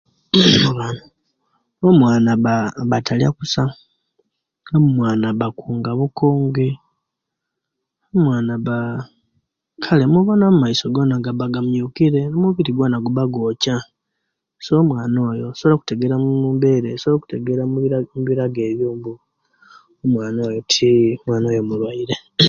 Omwana aba talya okusa, omwana akaunga bukungi, omwana abaana kale obona omaiso gaba gamiukire omu biri gwona gwoca so omwana oyo osobola okutegera omubera osobola okutegera